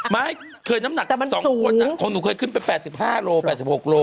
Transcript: ไม่เคยน้ำหนัก๒คนของหนูเคยขึ้นไป๘๕โล๘๖โล